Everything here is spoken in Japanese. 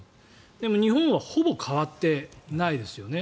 でも日本はほぼ変わっていないですよね。